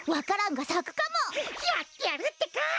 やってやるってか。